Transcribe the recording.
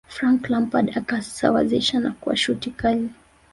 frank lampard akasawazisha kwa shuti Kali